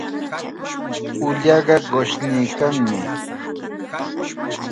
Ullaqa qushniykanmi.